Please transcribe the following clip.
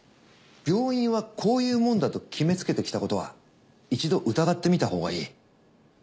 病院はこういうもんだと決めつけてきたことは一度疑ってみたほうがいい。